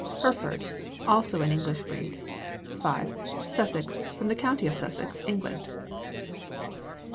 Hereford, also an English breed. 5. Sussex, from the county of Sussex, England.